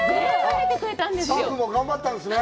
スタッフも頑張ったんですね。